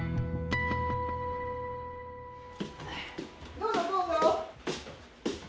どうぞどうぞ。